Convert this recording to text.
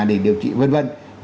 để điều trị v v